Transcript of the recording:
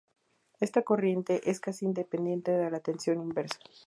Esta corriente es casi independiente de la tensión inversa.